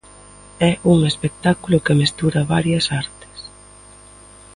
É un espectáculo que mestura varias artes.